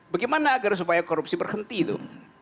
bagaimana agar supaya korupsi berhenti itu